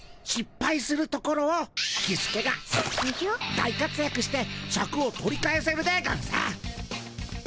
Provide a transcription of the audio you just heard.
大かつやくしてシャクを取り返せるでゴンス。